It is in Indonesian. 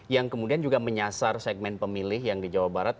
yang kemudian juga menyasar segmen pemilih yang di jawa barat